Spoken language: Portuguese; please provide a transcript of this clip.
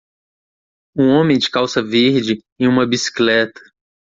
um homem de calça verde em uma bicicleta.